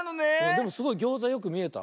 でもすごいギョーザよくみえた。